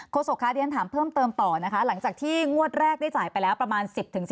โศกค่ะเรียนถามเพิ่มเติมต่อนะคะหลังจากที่งวดแรกได้จ่ายไปแล้วประมาณ๑๐๓๐